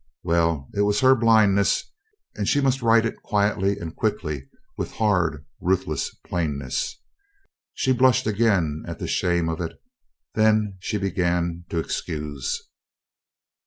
Well, it was her blindness, and she must right it quietly and quickly with hard ruthless plainness. She blushed again at the shame of it; then she began to excuse.